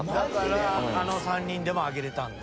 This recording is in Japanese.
だからあの３人でも上げれたんだ。